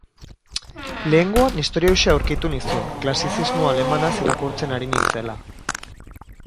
Lehengoan istorio hauxe aurkitu nizun, klasizismo alemanaz irakurtzen ari nintzela.